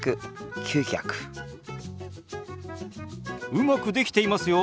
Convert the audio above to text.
うまくできていますよ